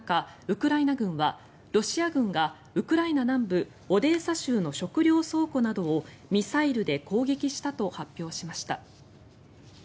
ウクライナ軍はロシア軍がウクライナ南部オデーサ州の食糧倉庫などをミサイルで攻撃したと発表しました。